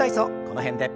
この辺で。